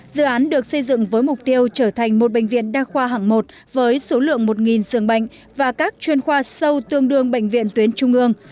dự án được xây dựng với mục tiêu trở thành một bệnh viện đa khoa hạng một với số lượng một giường bệnh và các chuyên khoa sâu tương đương bệnh viện tuyến trung ương